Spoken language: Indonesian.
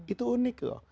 itu unik loh